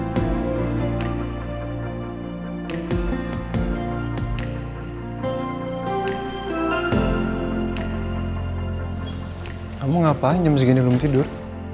kamu ngapain jam segini belum tidur